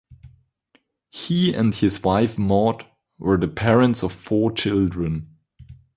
He and his wife Maud were the parents of four children.